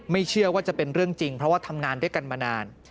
เชื่อว่าจะเป็นเรื่องจริงเพราะว่าทำงานด้วยกันมานาน